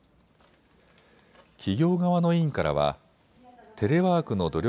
企業側の委員からはテレワークの努力